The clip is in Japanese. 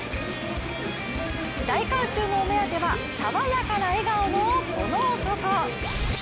大観衆のお目当ては爽やかな笑顔のこの男。